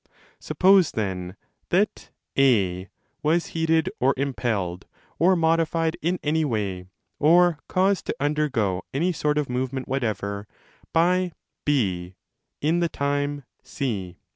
Suppose, then, that A was heated, or impelled, or modified in any way, or caused to undergo any sort of movement whatever, by # in the time C.